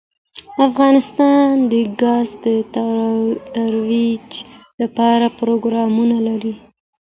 افغانستان د ګاز د ترویج لپاره پروګرامونه لري.